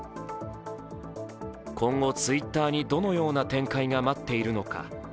今後、Ｔｗｉｔｔｅｒにどのような展開が待っているのか。